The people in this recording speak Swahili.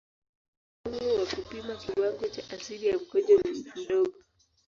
Umuhimu wa kupima kiwango cha asidi ya mkojo ni mdogo.